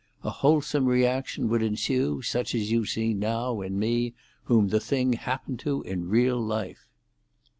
A wholesome reaction would ensue, such as you see now in me, whom the thing happened to in real life."